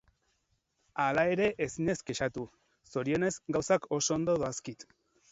Halere, ezin naiz kexatu, zorionez gauzak oso ondo doazkit.